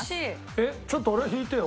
えっちょっと俺引いてよ。